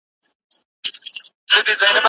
قرآن د پناه غوښتونکي د خوندیتوب حکم کوي.